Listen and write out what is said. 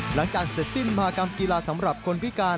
หลังจากเสร็จสิ้นมหากรรมกีฬาสำหรับคนพิการ